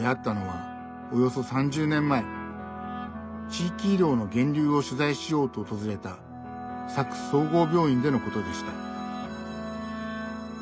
地域医療の源流を取材しようと訪れた佐久総合病院でのことでした。